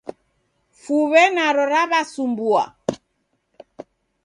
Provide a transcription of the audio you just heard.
Fuw'e naro raw'asumbua